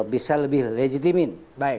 bisa lebih legitimin